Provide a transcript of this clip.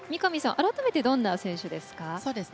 改めてどんな選手ですか。